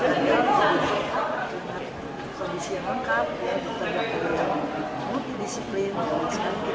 artinya pelayanan yang lancar sesuai dengan kondisi klinik